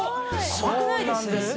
そうなんですよ